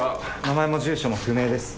名前も住所も不明です。